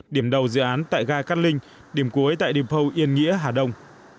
điểm đầu dự án tại ga cát linh điểm cuối tại depo yên nghĩa hà đông